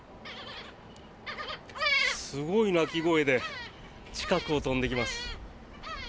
すごい鳴き声で近くを飛んでいきます。